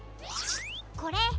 これ。